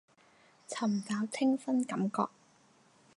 尋找清新感覺